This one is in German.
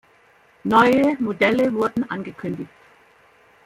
Neue Modelle wurden angekündigt.